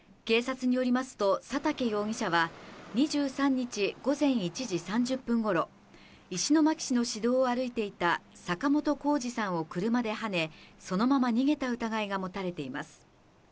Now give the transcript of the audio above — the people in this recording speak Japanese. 警察によりますと佐竹容疑者は２３日午前１時３０分ごろ石巻市の市道を歩いていた坂本甲次さんを車ではねそのまま逃げた疑いが持たれています。